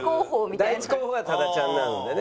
第１候補が多田ちゃんなのでね。